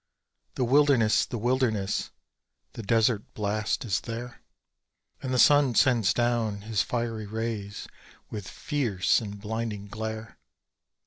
The wilderness! The wilderness! The desert blast is there; And the sun sends down his fiery rays with fierce and blinding glare.